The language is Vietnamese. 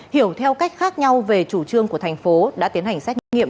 hiểu theo cách khác nhau về chủ trương của thành phố đã tiến hành xét nghiệm